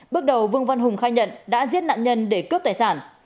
bước đầu vương văn hùng khai nhận đã giết nạn nhân để cướp tài sản